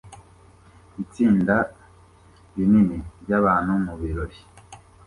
Itsinda rinini ryabantu mubirori